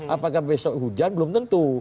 apakah besok hujan belum tentu